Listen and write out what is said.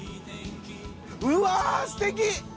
うわすてき！